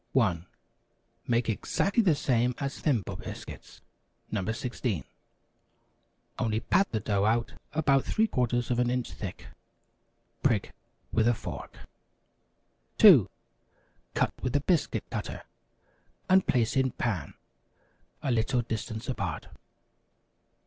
1. Make exactly the same as Thimble Biscuits (No. 16), only pat the dough out about three quarters of an inch thick. Prick with a fork. 2. Cut with a biscuit cutter, and place in pan, a little distance apart.